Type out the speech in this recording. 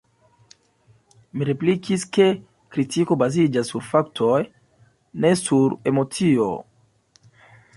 Mi replikis, ke kritiko baziĝas sur faktoj, ne sur emocio.